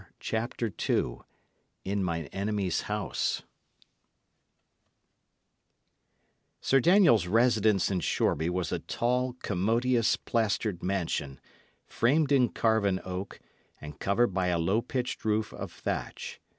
CHAPTER II "IN MINE ENEMIES' HOUSE" Sir Daniel's residence in Shoreby was a tall, commodious, plastered mansion, framed in carven oak, and covered by a low pitched roof of thatch.